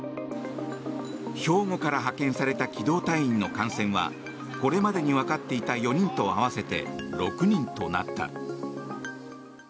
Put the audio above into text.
兵庫から派遣された機動隊員の感染はこれまでにわかっていた４人と合わせて６人となった。